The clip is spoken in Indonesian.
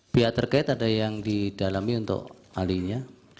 pihak terkait ada yang didalami untuk ahlinya